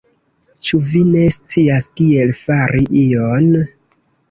Ĉu vi ne scias kiel fari ion?